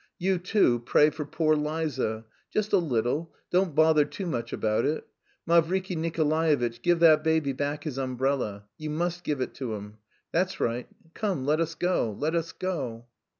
You, too, pray for 'poor' Liza just a little, don't bother too much about it. Mavriky Nikolaevitch, give that baby back his umbrella. You must give it him. That's right.... Come, let us go, let us go!"